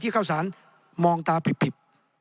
ที่เข้าศาลมองตาผิบ